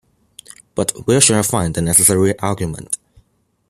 But where shall I find the necessary arguments?